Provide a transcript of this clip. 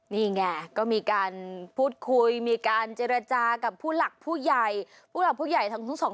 นี่เนี่ยก็มีการพูดคุยมีการเจรจากับผู้หลักผู้ใหญ่